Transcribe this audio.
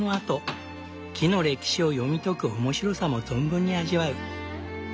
木の歴史を読み解く面白さも存分に味わう。